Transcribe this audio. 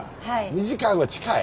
２時間は近い？